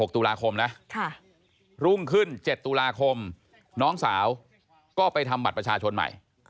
ตุลาคมนะรุ่งขึ้น๗ตุลาคมน้องสาวก็ไปทำบัตรประชาชนใหม่